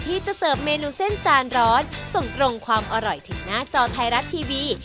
เสิร์ฟเมนูเส้นจานร้อนส่งตรงความอร่อยถึงหน้าจอไทยรัฐทีวี